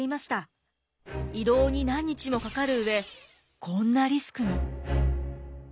移動に何日もかかる上こんなリスクも。